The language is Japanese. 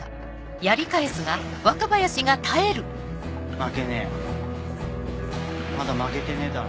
負けねえよまだ負けてねえだろ。